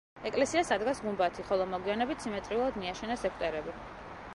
ეკლესიას ადგას გუმბათი, ხოლო მოგვიანებით სიმეტრიულად მიაშენეს ეგვტერები.